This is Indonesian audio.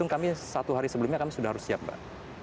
kami satu hari sebelumnya kami sudah harus siap mbak